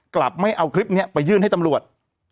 กลับไม่เอาคลิปนี้ไปยื่นให้ตำรวจ